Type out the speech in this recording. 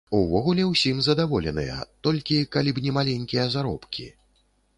Увогуле ўсім задаволеныя, толькі калі б не маленькія заробкі.